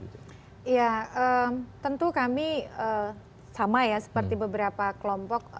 ya tentu kami sama ya seperti beberapa kelompok